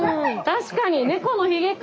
確かに猫のひげか！